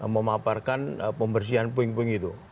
memaparkan pembersihan puing puing itu